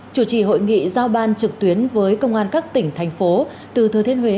chủ trì hội nghị giao ban trực tuyến với công an các tỉnh thành phố từ thừa thiên huế